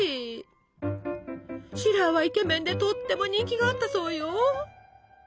シラーはイケメンでとっても人気があったそうよ。